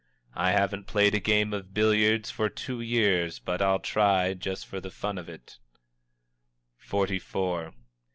"I haven't played a game of billiards for two years, but I'll try, just for the fun of it." XLIV.